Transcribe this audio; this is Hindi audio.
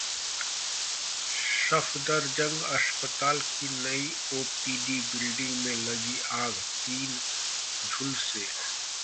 सफदरजंग अस्पताल की नई ओपीडी बिल्डिंग में लगी आग, तीन झुलसे